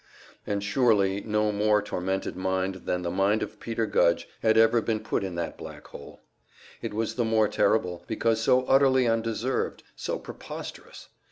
And surely no more tormented mind than the mind of Peter Gudge had ever been put in that black hole. It was the more terrible, because so utterly undeserved, so preposterous.